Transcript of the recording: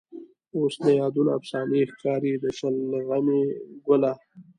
اوس د یادونه افسانې ښکاري. د شلغمې ګله